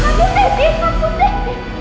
kak putih putih